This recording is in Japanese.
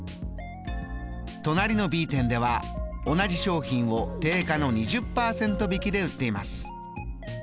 隣のＢ店では同じ商品を定価の２０％引きで売っています。